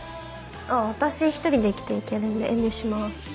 あっ私１人で生きて行けるんで遠慮します。